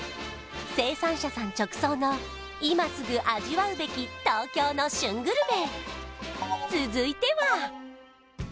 生産者さん直送の今すぐ味わうべき東京の旬グルメ！